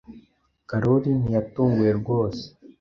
Karoli ntiyatunguwe rwose.